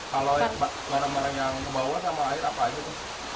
kalau barang barang yang dibawa sama air apa aja